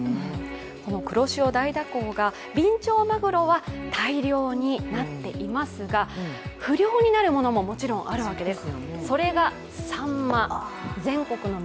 黒潮大蛇行が、ビンチョウマグロは大漁になっていますが、不漁になるものももちろんあるわけです。